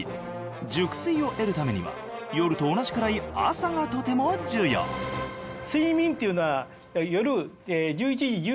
熟睡を得るためには夜と同じくらい朝がとても重要実は違うんですよ。